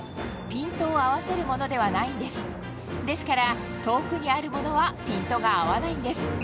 ピントを合わせるものではないんですですから遠くにあるものはピントが合わないんです